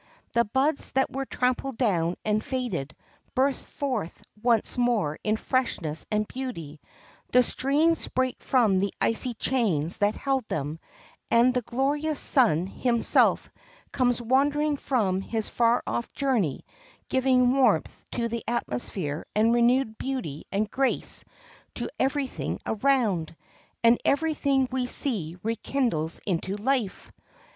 The buds that were trampled down and faded burst forth once more in freshness and beauty, the streams break from the icy chains that held them, and the glorious sun himself comes wandering from his far off journey, giving warmth to the atmosphere and renewed beauty and grace to every thing around, and every thing we see rekindles into life.